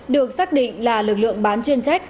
được xác định là lực lượng bán chuyên sách